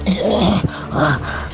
mulutku rasanya pahit